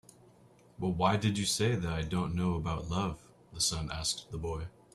"Well, why did you say that I don't know about love?" the sun asked the boy.